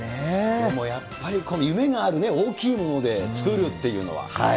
でも、やっぱり夢があるね、大きいもので作るっていうのは。